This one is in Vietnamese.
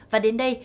và đến đây